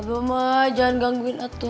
abah mah jangan gangguin aku